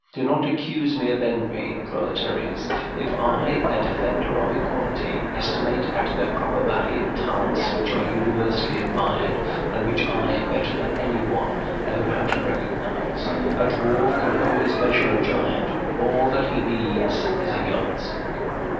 Do not accuse me of envy, proletaires, if I, a defender of equality, estimate at their proper value talents which are universally admired, and which I, better than any one, know how to recognize. A dwarf can always measure a giant: all that he needs is a yardstick.